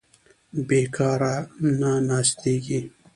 بېکاره نه ناستېږي.